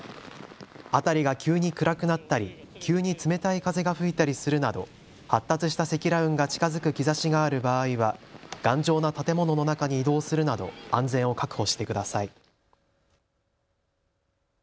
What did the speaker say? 辺りが急に暗くなったり急に冷たい風が吹いたりするなど発達した積乱雲が近づく兆しがある場合は頑丈な建物の中に移動するなど安全を確保してください。